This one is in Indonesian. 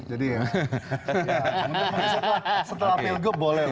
setelah pilgub boleh lho